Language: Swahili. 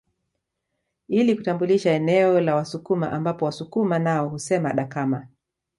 Ili kutambulisha eneo la Wasukuma ambapo Wasukuma nao husema dakama